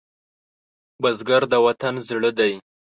بزګر د وطن زړه دی